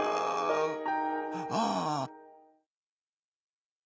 ああ。